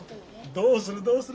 どうするどうする？